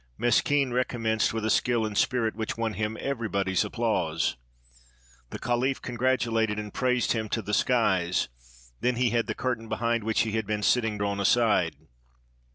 Meskin recommenced with a skill and spirit which won him everybody's applause. The caliph congratu lated and praised him to the skies; then he had the curtain behind which he had been sitting drawn aside.